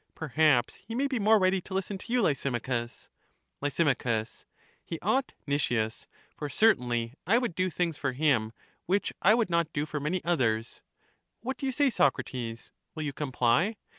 Perhaps he may be more ready to listen to you, Lysimachus. Lys. He ought, Nicias: for certainly I would do things for him which I would not do for many others. What do you say, Socrates — will you comply?